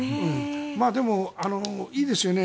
でも、いいですよね。